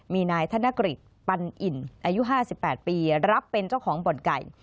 มีนายธนกฤษปันอินอายุ๕๘ปีรับเป็นเจ้าของบ่อนไก่